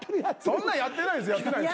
そんなやってないです。